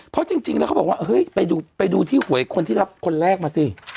เพราะจริงแล้วเขาบอกว่าเฮ้ยไปดูที่หวยคนที่รับคนแรกมาสิ